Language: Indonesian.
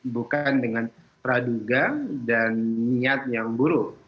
bukan dengan praduga dan niat yang buruk